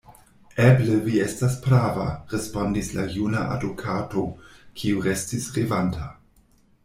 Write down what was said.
Eble vi estas prava, respondis la juna adokato, kiu restis revanta.